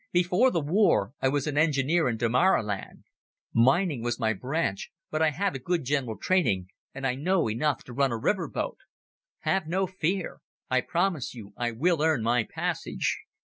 "Before the war I was an engineer in Damaraland. Mining was my branch, but I had a good general training, and I know enough to run a river boat. Have no fear. I promise you I will earn my passage."